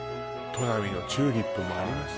砺波のチューリップもあります